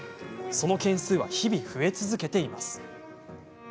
その件数は日々増え続けています。